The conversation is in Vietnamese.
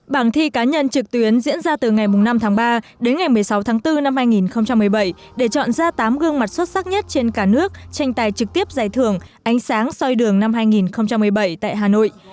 bảng thi cá nhân trực tuyến diễn ra từ ngày năm tháng ba đến ngày một mươi sáu tháng bốn năm hai nghìn một mươi bảy để chọn ra tám gương mặt xuất sắc nhất trên cả nước tranh tài trực tiếp giải thưởng ánh sáng soi đường năm hai nghìn một mươi bảy tại hà nội